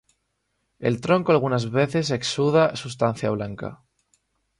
El tronco algunas veces exuda sustancia blanca.